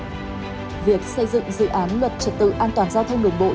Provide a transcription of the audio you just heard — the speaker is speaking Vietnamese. vì vậy việc xây dựng dự án luật trật tự an toàn giao thông đường bộ